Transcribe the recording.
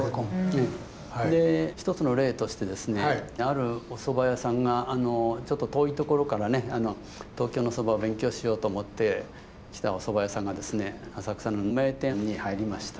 で一つの例としてですねあるお蕎麦屋さんがちょっと遠い所からね東京の蕎麦を勉強しようと思って来たお蕎麦屋さんがですね浅草の名店に入りました。